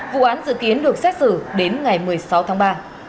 vụ án dự kiến được xét xử đến ngày một mươi sáu tháng ba